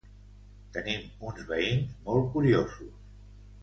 Tenim uns veïns molt curiosos.